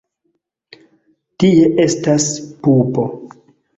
Tie estas pupo.